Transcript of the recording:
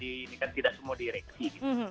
ini kan tidak semua di reksi